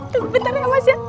tuh bentar ya mas ya